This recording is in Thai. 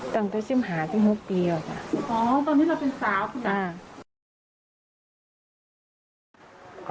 ตั้งแต่ชิมหาสิ้นหกปีออกจ้ะ